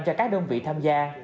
cho các đơn vị tham gia